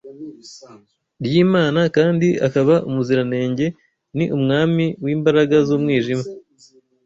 ry’Imana kandi akaba umuziranenge ni umwami w’imbaraga z’umwijima